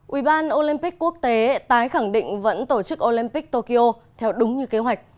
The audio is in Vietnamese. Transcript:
ủy ban olympic quốc tế tái khẳng định vẫn tổ chức olympic tokyo theo đúng như kế hoạch